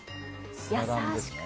やさしく。